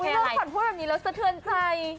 เธอพูดแบบนี้แล้วสะเทือนใจ